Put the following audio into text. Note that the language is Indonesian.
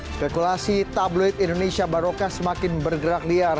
spekulasi tabloid indonesia barokah semakin bergerak liar